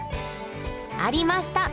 ありました！